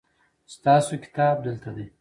ستاسو کتاب دلته دی